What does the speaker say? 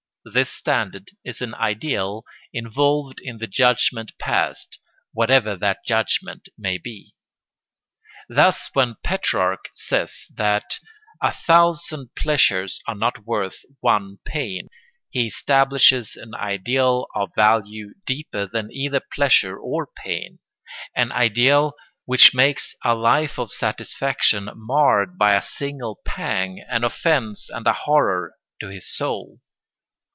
This standard is an ideal involved in the judgment passed, whatever that judgment may be. Thus when Petrarch says that a thousand pleasures are not worth one pain, he establishes an ideal of value deeper than either pleasure or pain, an ideal which makes a life of satisfaction marred by a single pang an offence and a horror to his soul.